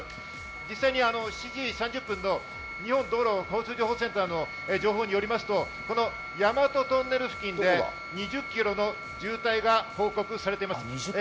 実際に７時３０分の日本道路交通情報センターの予測によりますと、大和トンネル付近で２０キロの渋滞が予測されています。